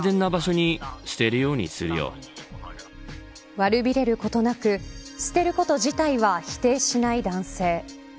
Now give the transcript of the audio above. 悪びれることなく捨てること自体は否定しない男性。